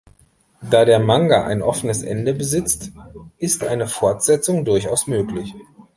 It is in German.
Da der Manga ein offenes Ende besitzt, ist eine Fortsetzung durchaus möglich.